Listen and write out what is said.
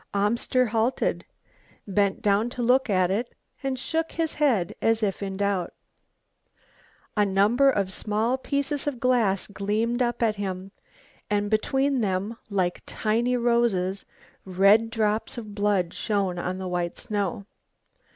Amster halted, bent down to look at it, and shook his head as if in doubt. A number of small pieces of glass gleamed up at him and between them, like tiny roses, red drops of blood shone on the white snow.